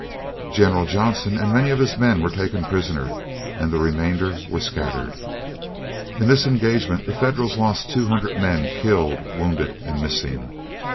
General Johnson and many of his men were taken prisoners, and the remainder were scattered. In this engagement the Federals lost two hundred men, killed, wounded, and missing.